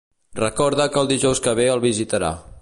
Recorda que el dijous que ve el visitarà.